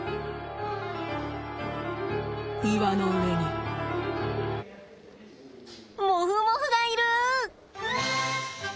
岩の上にモフモフがいる！